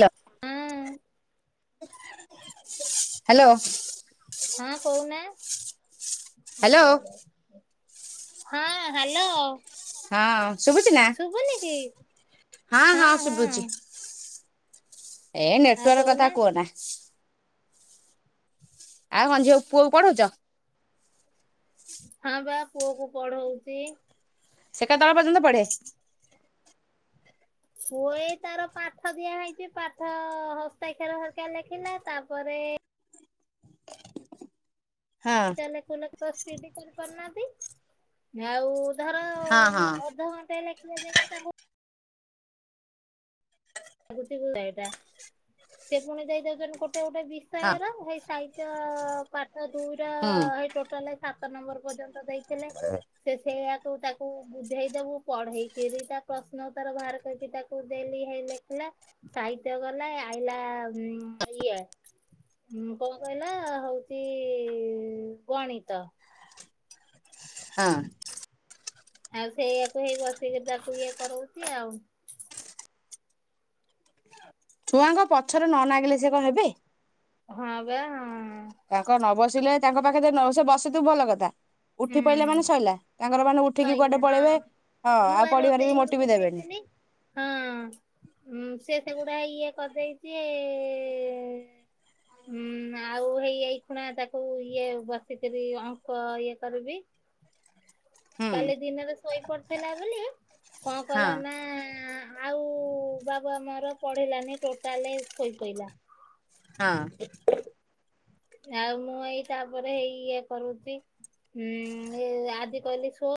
ଲ ହଁ ହ୍ୟାଲୋ। ହଁ କୋଉନା। ହ୍ୟାଲୋ ହ୍ୟାଲୋ ହଁ ହ୍ୟାଲୋ। ହଁ ଶୁଭୁଚି ନା? ଶୁଭୁନି କି ହଁ ହଁ ଏ ଆଉ ନେଟୱାର୍କ କଥା କହୁନା କୁଅନା। ଆଉ ହ ଝିଅ ପୁଅକୁ ପଢ଼ୋଉଚ? ହଁ ପା ପୁଅ କୁ ପଢଉଚି। ସେ କେତେବେଳ ପର୍ଯ୍ୟନ୍ତ ପଢେ? ପୁଅ ଏଇ ତାର ପାଠ ଦିଆ ହେଇଚି ପାଠ ହସ୍ତାକ୍ଷର ହରକା ଲେଖିଲା। ତାପରେ ହଁ। କ ସ୍ପି କରପ ନା [inaudible] ଆଉ ଧର ହଁ ହୁଁ ଅଧଘଣ୍ଟା ଲେଖିବା ଜାଗାରେ ତାକୁ ଏ ଗୁଟି ଗୁଳେଇଟା, ସେ ପୁଣି ଦେଇଦଉଛନ୍ତି ଗୋଟେ ଗୋଟେ ବିଷୟର ଭାଇ ସାହି ତ୍ୟ ପାଠ ଦୁଇଟା ହୁଁ। ସେଇ ଟୋଟାଲ ସାତ ନମ୍ବର ପର୍ଯ୍ୟନ୍ତ ଦେଇଥିଲେ ସେ ସେଇଆାକୁ ତାକୁ ବୁଝେଇଦବୁ ପଢେଇକିରି ତା ପ୍ରଶ୍ନ ଉତ୍ତର ବାହାର କରିକି ତାକୁ ଦେଲି ହେଲେ ହେଲା। ସାହିତ୍ୟ ଗଲା ଆଇଲା ଇଏ ହୁଁ, କଣ କହିଲ ହଉଚି ଗଣିତ। ହଁ। ଆଉ ସେଇୟାକୁ ହେଇ ବସିକି ତାକୁ ଇଏ କରାଉଛି ଆଉ। ଛୁଆଙ୍କ ପଛରେ ନ ନାଗିଲେ ସେ କଣ ହେବେ। ହଁ ବା, ହୁଁ। ତାଙ୍କ ନ ବସିଲେ ତାଙ୍କ ପାଖରେ ଜଦୀ ନ ବସି ଥିବୁ ଭଲ କଥା। ଉଠି ହୁଁ ପଡିଲେ ମାନେ ସଇଲା। ତାଙ୍କର ମାନେ ଉଠିକି ସଇଲା କୁଆଡେ ପଳେଇବେ ହଁ। ହଁ ମୁଁ ବା ଆଉ ପଢିବାରେ ରୋଷେଇ ବି ମୋଟି ଘରକୁ ବି ଦେବେନି। ଯାଇଥିଲି ହଁ ସେ ସେଗୁଡା ଇଏ କରିଦେଇଛି, ଇ ହୁଁ ଆଉ ହେଇ ଏଇ ଖୁଣା ତାକୁ ଇଏ ବସିକରି ଅଙ୍କ ଇଏ କରିବି। ହୁଁ କାଲି ଦିନରେ ଶୋଇ ପଡିଥିଲା ବୋଲି, କଣ ହଁ କଲା ନା ଆଉ ବାବା ମୋର ପଢିଲାନି ଟୋଟାଲ ଶୋଇପଡିଲା। ହଁ। ଆଉ ମୁଁ ଏଇ ତାପରେ ହେଇ ଇଏ କରୁଛି ହୁଁ ଏ ଆଜି କହିଲି ସୋ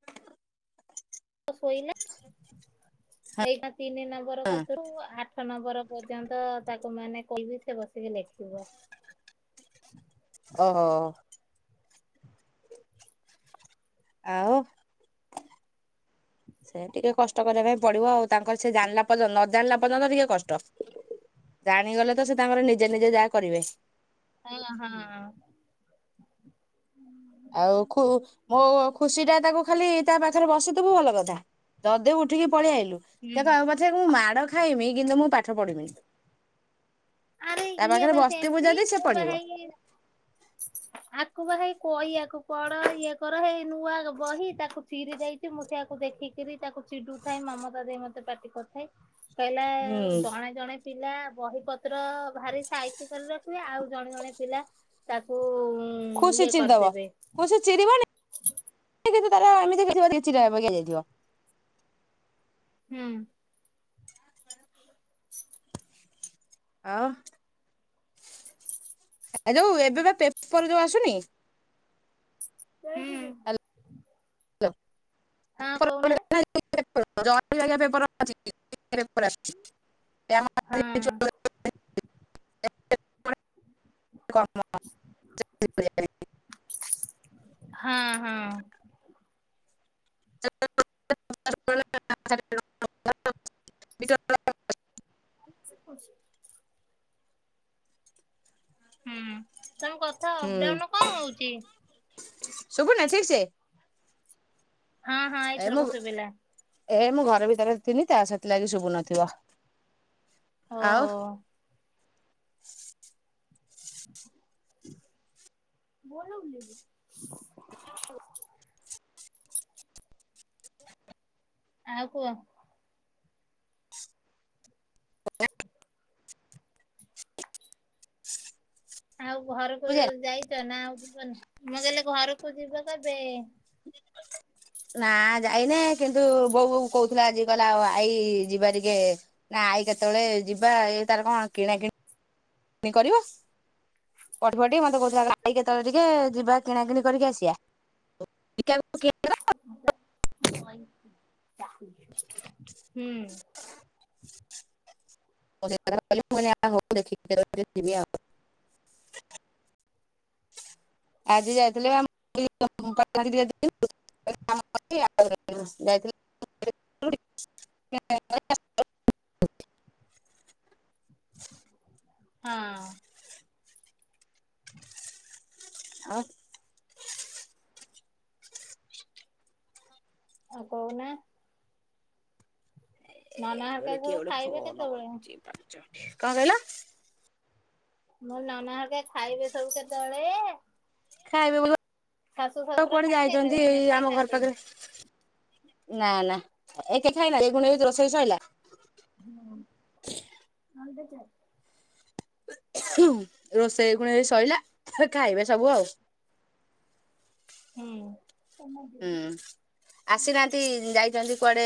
ଶୋଇଲା। ଏଇଟା ତିନି ନମ୍ବର ହଁ କତିରୁ ଆଠ ଆଠ ନମ୍ବର ପର୍ଯ୍ୟନ୍ତ ତାକୁ ମାନେ କହିବି ସେ ବସିକି ଲେଖିବ। ଓହୋ। ଆଉ? ସେ ଟିକେ କଷ୍ଟ କରିବା ପାଇଁ ପଡିବ ଆଉ। ତାଙ୍କର ସେ ଜାଣିଲା ପର୍ଯ୍ୟନ୍ତ ନ ଜାଣିଲା ପର୍ଯ୍ୟନ୍ତ ଟିକେ କଷ୍ଟ। ଜାଣିଗଲେ ତ ସେ ତାଙ୍କର ନିଜେ ନିଜେ ଯାହା କରିବେ। ହଁ ହଁ। ହୁଁ। ଆଉ ଖୁ ମୋ ଖୁସି ଟା ତାକୁ ଖାଲି ତା ପାଖରେ ବସିଥବୁ ଭଲ କଥା। ଜଦୀ ଉଠିକି ପଳି ଆଇଲୁ, ହୁଁ। ସେ କହିବ ପଛାକେ ମୁଁ ମାଡ ଖାଇମି କିନ୍ତୁ ମୁଁ ପାଠ ପଢି ବିନି। ଆରେ ତା ଇଏ ପାଖରେ ବା ବସ୍ତିଥିବୁ ସେମିତି ଜଦୀ ସେ ମୁଁ ବା ପଢ଼ିବ। ହେଇ ଆକୁ ବା ହେଇ କହିଆକୁ ପଡ ଇଏ କର ହେଇ ନୂଆ ବହି ତାକୁ ଚିରି ଦେଇଛି ମୁଁ ସେଆକୁ ଦେଖିକିରି ତାକୁ ଚିଡୁ ଥାଏ ମାମତା ଦେଇ ମତେ ପାଟି କରୁଥାଏ। କହିଲା ହୁଁ ଆଉ ଜଣେ, ଜଣେ ପିଲା ବହି ପତ୍ର ଭାରି ସାଇତି କରି ରଖିବେ, ଆଉ ଜଣେ ଜଣେ ପିଲା ତାକୁ ଇଏ କରିଦେବେ। ଚରିବନି? ହ ସିଏ ଜଦୀ ତାର ଏମିତି [unintelligible] ହୁଁ। ହ ଆଉ। ଏ ଯୋଉ ଏବେ ବା ପେପର ଯୋଉ ଆସୁନି? ହାଲୋ ହୁଁ। ହଁ କହୁନା [unintelligible] ହଁ। [unintelligible] [unintelligible] ହଁ ହଁ। [unintelligible] [unintelligible] ହୁଁ ତମ କଥା ଅପ ଡାଉନ କଣ ହଉଚି। ଶୁଭୁନେ ଠିକ ସେ। ହଁ ହଁ ଏ ଏଇଥରକ ମୁଁ ଶୁଭିଲା ଏ ମୁଁ ଘର ଭିତରେ ଥିନି ତା ସେଥିଲାଗି ଶୁଭୁନଥିବ। ଓହୋ। ଆଉ। [inaudible] ଆଉ କୁହ। [inaudible] ଆଉ ଘରକୁ ଯାଇଛ ନା ଆଉ ଯିବନି ମୁଁ କହିଲି ଘରକୁ ଯିବ କେବେ। [inaudible] ନା ଯାଇନେ କିନ୍ତୁ ବୋଉ କହୁଥିଲା ଆଜି କହୁଥିଲା ଆଇ ଯିବା ଟିକେ ନା ଆଇ କେତେବେଳେ ଯିବା ଏଇ ତାର କଣ କିଣା କିଣି ଣି କରିବ ପଠ ପଠି ମତେ କହୁଥିଲା ଆଇ କେତେବେଳେ ଟିକେ ଯିବା କିଣାକିଣି କରିକି ଆସିବା [unintelligible] ହୁଁ। [unintelligible] ଆଜି ଯାଇଥିଲ ବା [unintelligible] [unintelligible] ହଁ। ଆଉ। ଆଉ କହୁନା। ନନା ହରିକା [unintelligible] ସବୁ କଣ ଖାଇବେ କେତେବେଳେ? କହିଲ। ମୁଁ ନନା ହରକା ଖାଇବେ ସବୁ କେତେବେଳେ। ଖାଇବେ ଉ ଶାଶୁ ତ ଶଶୁର କୁଆଡେ ଯାଇଛନ୍ତି ଖାଇସାଇଲେଣି ନା ଏଇ ଆମ ଘର ଖାଇନାହାନ୍ତି? ପାଖରେ [unintelligible] [unintelligible] ରୋଷେଇ ଏଇ କୁଣେ ଏଇ ସଇଲା ଖାଇବେ ସବୁ ଆଉ। ହୁଁ। ହୁଁ। ଆସିନାହାନ୍ତି ଯାଇଚନ୍ତି କୁଆଡେ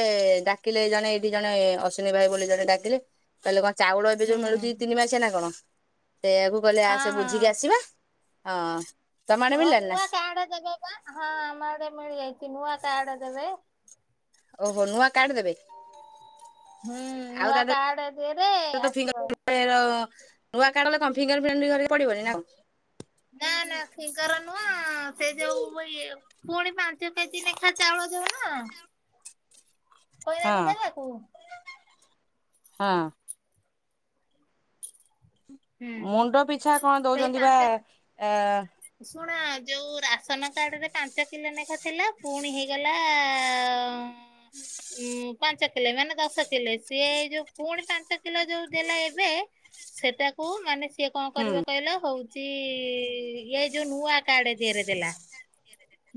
ଡାକିଲେ ଜଣେ ଏଇଠି ଜଣେ ଅଶ୍ୱିନୀ ଭାଇ ବୋଲି ଜଣେ ଡାକିଲେ। କହିଲେ କଣ ଚାଉଳ ଏବେ ଯୋଉ ମିଳୁଚି ତିନି ମାସିଆ ନା କଣ ସେୟାକୁ କହିଲେ ହଁ ଆସେ ହଁ। ବୁଝିକି ଆସିବା। ହଁ। ତମ ଆଡେ ଓ ମିଳିଲାନି ନା ନୂଆ କାର୍ଡ ଦେବେ ବା ହଁ ଆମଆଡେ ମିଳିଯାଇଚି ନୂଆ କାର୍ଡ ଦେବେ। ଓହୋ ନୂଆ କାର୍ଡ ଦେବେ। ହୁଁ ନୂଆ କାର୍ଡ ଦେରେ ଆସିବ। ଫେର ନୂଆ କାର୍ଡ଼ଦେଲେ କଣ ଫିଙ୍ଗର ପ୍ରିଣ୍ଟ କରି ବାକୁ ପଡ଼ିବନି ନା କଣ। ନା ନା ଫିଙ୍ଗର ନୁହଁ ସେ ଯେଉ ଇଏ ପୁଣି ପାଞ୍ଚ କେଜି ଲେଖା ଚାଉଳ ଦଉନ କଣ କରିନାହାଁନ୍ତି ହଁ ଦେବାକୁ। ହଁ। ହୁଁ ମୁଣ୍ଡ ପିଛା କଣ ସେଇ ଦଉଛନ୍ତି ବା ପାଞ୍ଚ ଆ ଶୁଣ ଯୋଉ ରାସନ କାର୍ଡରେ ପାଞ୍ଚ କିଲୋ ଲେଖା ଥିଲା ପୁଣି ହେଇଗଲା [inaudible] ଉଁ ପାଞ୍ଚ କିଲେ ମାନେ ଦଶ କିଲେ ସିଏ ଯୋଉ ପୁଣି ପାଞ୍ଚ କିଲେ ଯୋଉ ଦେଲା ଏବେ ସେଟା ହୁ ମାନେ ସିଏ କଣ ହୁଁ। କରିବ କହିଲ ହଉଛି, ଏଇ ଯୋଉ ନୂଆ କାର୍ଡ ଦିହେରେ ଦେଲା।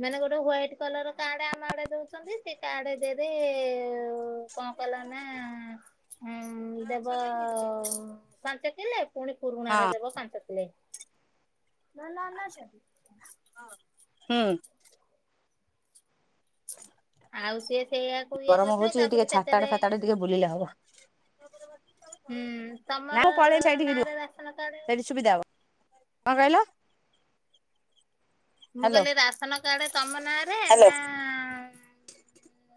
ମାନେ ଗୋଟେ ହ୍ଵାଇଟ କଲର କାର୍ଡ ଆମ ଆଡେ ଦଉଛନ୍ତି, ସେ କାର୍ଡ ଦେହେରେ କଣ କଲା ନା ଦେବ ପାଞ୍ଚ କିଲେ, ପୁଣି ହଁ ପୁରୁଣାରେ ଦେବ ପାଞ୍ଚ କିଲେ। ହୁଁ। ଆଉ ସିଏ ସେଇଆକୁ ଇଏ ଗରମ କରିଥିବେ, ହଉଛି ଟିକେ ତାପରେ ଛାତ ଆଡେ ସେଥିରେ ଫାତ ଆଡେ ଟିକେ ବୁଲିଲେ ହବ। ହୁଁ ନା ତମର ମୁଁ ପଳେଇବି ସେଇଠିକି ରୁହ, ନାଁରେ ରାସନ କାର୍ଡ ସେଇଠି ସୁବିଧା ହବ। କଣ କହିଲ? ମୁଁ ହ୍ୟାଲୋ କହିଲି ରାସନ୍ କାର୍ଡ ତମ ନାଁରେ? ନା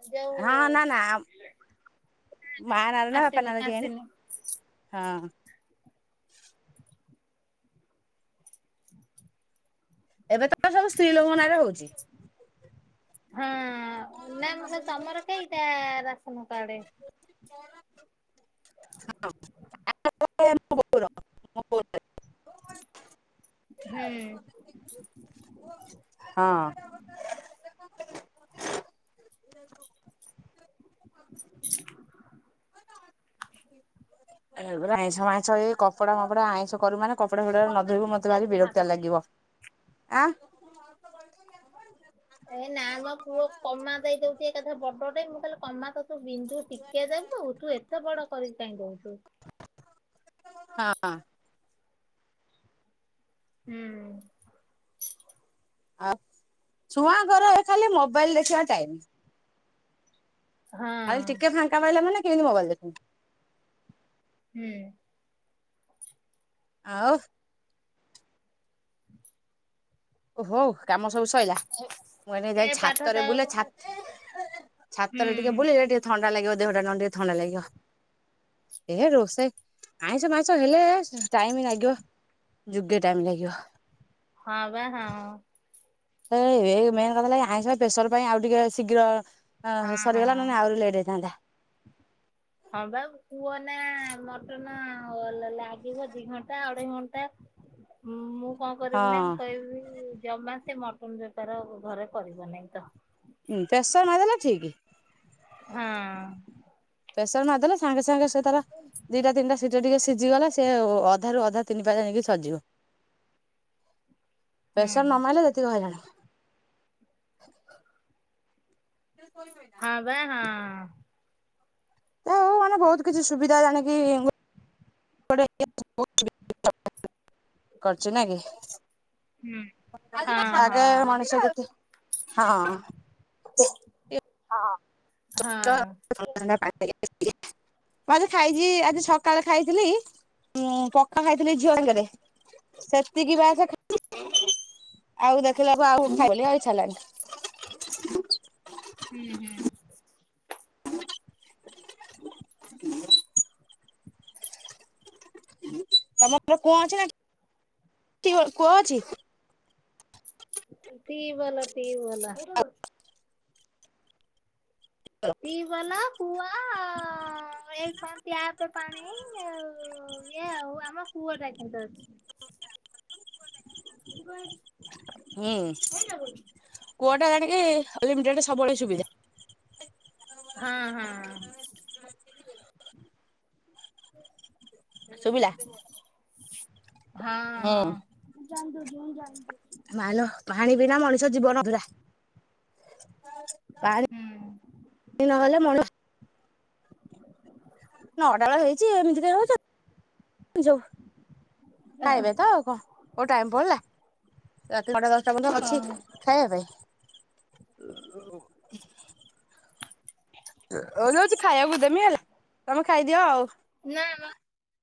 ଯୋଉ ହଁ ନା ନା ମା ନାଁରେ ନା ବାପା ଆସିନି ନାଁରେ କେଜାଣି ଆସିନି। ହଁ। [inaudible] ଏବେ ତ ସବୁ ସ୍ତ୍ରୀଲୋକଙ୍କ ନାଁରେ ହଉଚି। ହଁ ନା ମୁଁ କହିଲି ତମର କେଇଟା ରାସନ୍ କାର୍ଡ? [unintelligible] [unintelligible] ହୁଁ। ହଁ। ଏଇ [inaudible] ଏଗୁରା ଆଇଁଷ ମାଇଁସ ଏ କ କପଡା ଫପଡା ଆଇଁଷ କରୁ ମାନେ କପଡ଼ା ଫପଡା ନ କମା ଧୋଇବ, ମତେ ଟିକେ ଭାରି ଦିଆହବ। ବିରକ୍ତିଆ ଲାଗିବ। ଆଁ ଏ ନା ମୋ ପୁଅ କମା ଦେଇଦଉଛିି ଏକାଥରେ ବଡଟେ, ମୁଁ କହିଲି କମା ତୁ ବିନ୍ଦୁ ଟିକେ ଦବୁ। ତୁ ଏ ଏତେ ବଡ କରି କାଇଁ ଦଉଚୁ। ହଁ। ହୁଁ। ଆଉ ଛୁଆଙ୍କର ଖାଲି ମୋବାଇଲ ଦେଖିବା ଟାଇମ୍। ହଁ ଖାଲି ଟିକେ ଫାଙ୍କା ପାଇଲେ, ମାନେ କେମିତି ମୋବାଇଲ ଦେ ହୁଁ। ଆଉ ହୁଁ। ଓ ହୋଉ କାମ ସବୁ ସଇଲା। ମୁଁ ଏଇନା ଯାଇ ଏ ପାଠ ଛାତରେ ବୁଲେ, ତାକୁ ଛା ହୁଁ ଛାତରେ ଟିକେ ବୁଲେ ଟିକେ। ଯ ଥଣ୍ଡା ଲାଗିବ, ଦେହଟା ନହେଲେ ଟିକେ ଥଣ୍ଡା ଲାଗିବ। ଏ ରୋଷେଇ ଆଇଁଷ ମାଇଁସ ହେଲେ ଟାଇମ୍ ଲାଗିବ। ଯୁଗେ ଟାଇମ୍ ଲାଗିବ। ହଁ ବା ହଁ। ହେଇ ବେ ଏଇ ମେନ୍ କଥା ହେଲା, ଏ ଆଇଁଷ ପାଇଁ ପ୍ରେସର ପାଇଁ ଆଉ ଟିକେ ଶୀଘ୍ର ହଁ ସରିଗଲା ନହେଲେ ଆହୁରି ଲେଟ୍ ହେଇଥାନ୍ତା। ହଁ ବା କୁହନା ମଟନ ଲାଗିବ, ଦି ଘଣ୍ଟା ଅଢେଇ ଘଣ୍ଟା। ମୁଁ କଣ କରିବି ନା, ମୁଁ ହଁ କହିବି ଜମା ସେ ମଟନ୍ ବେପାର ଘରେ କରିବ ନାହିଁ ତ। ଉଁ ପ୍ରେସର୍ ମାରିଦେଲେ ଠିକ୍। ହଁ। ପ୍ରେସର୍ ମାରିଦେଲେ ସାଙ୍ଗେ ସାଙ୍ଗେ ସେ ତାର ଦିଟା ତିନିଟା ସିଟି ଟିକେ ସିଝିଗଲେ, ସେ ଅଧାରୁ ଅଧା ତିନି ପା ଯାଇଁକି ସରିଯିବ, ହୁଁ ପ୍ରେସର ନମାଇଲେ ଯେତିକି ହଇରାଣ। ହଁ ବା ହଁ। ଯା ହଉ ମାନେ ବହୁତ କିଛି ସୁବିଧା ଜାଣିକି [unintelligible] କରଚୁ ନା କି। ହୁଁ ହଁ ଆଗେ ହଁ ମଣିଷ ଯେତେ ହଁ। ହଁ। ହଁ ମ ଖାଇଛି ଆଜି ସକାଳେ ଖାଇଥିଲି। ହୁଁ ପକ୍କା ଖାଇଥିଲି ଝିଅ ଆଙ୍କରେ ସେତିକି ବା ସେ ଖାଇ ଆଉ ଦେଖିଲାବ ଆଉ କହିଇଛାରିଲାଣି। [unintelligible] ହୁଁ ହୁଁ। ତମର କୁଅ ଅଛି ନା କୁଅ ଅଛି। ଟିଓଲ ଟିଓଲ। [inaudible] ଟିୱଲ କୂଅ ଅ ଏ କଣ ଟ୍ୟାପରେ ପାଣି ଆଉ ଏଇଆ ଆଉ ଆମ କୁଅ ଟା କିନ୍ତୁ ଅଛି। [inaudible] ହୁଁ ଅଛି କୁଅ ଟା ଜାଣିକି ଅନ୍ଲିମିଟେଡ ସବୁବେଳେ ସୁବିଧା। ହଁ ହଁ। ଶୁଭିଲା। ହଁ। ହୁଁ। ଜାଣି ଦଉ ଯୋଇଁ ଜାଣି ଦଉ। ମା ଲୋ ପାଣି ବିନା ମଣିଷ ଜୀବନ ଅଧୁରା। ପାଣି ହୁଁ ପା ନହେଲେ ମଣି ନଅଟା ବେଳ ହେଇଛି ଏମିତି କାଇ ହୋଉଛ ଯୋ ଖାଇବେ ତ ଆଉ କଣ କୋଉ ଟାଇ ପଡିଲା ରାତି ନଅ ଟା ଦଶଟା ପର୍ଯ୍ୟନ୍ତ ଓହୋ ଅଛି। ଖାଇବା ପାଇଁ ଓ ଯାଉଛି ଖାଇବାକୁ ଦେମି ହେଲା। ତମେ ଖାଇଦିଅ ଆଉ। ନାଁ ମ।